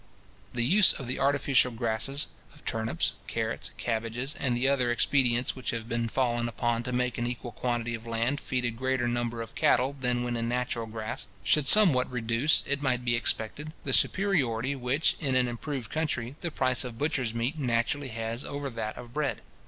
The use of the artificial grasses, of turnips, carrots, cabbages, and the other expedients which have been fallen upon to make an equal quantity of land feed a greater number of cattle than when in natural grass, should somewhat reduce, it might be expected, the superiority which, in an improved country, the price of butcher's meat naturally has over that of bread.